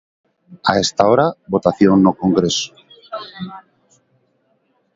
A esta hora, votación no Congreso.